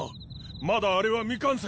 まだあれは未完成。